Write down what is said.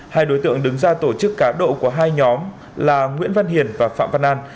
hai đối tượng đứng ra tổ chức cá độ của hai nhóm là nguyễn văn hiền và phạm văn an